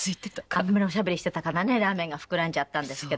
あんまりおしゃべりしてたからラーメンが膨らんじゃったんですけど。